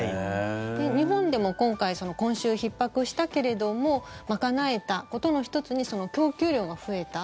日本でも今回今週、ひっ迫したけれども賄えたことの１つに供給量が増えた。